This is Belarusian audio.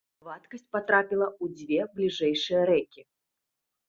Вадкасць патрапіла ў дзве бліжэйшыя рэкі.